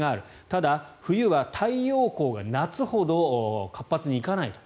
ただ、冬は太陽光が夏ほど活発にいかないと。